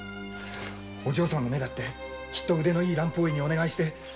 お嬢さんの目だって腕のいい蘭方医にお願いして。